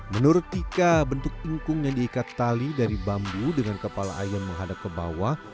menurut tika bentuk ingkung yang diikat tali dari bambu dengan kepala ayam menghadap ke bawah